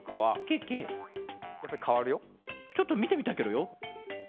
ちょっとみてみたいケロよ。